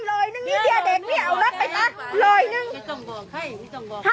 ให้เลยนึงนี่เดี๋ยวเด็กนี่เอาแล้วไปรักเลยนึง